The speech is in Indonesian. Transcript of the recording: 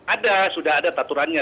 ada sudah ada aturannya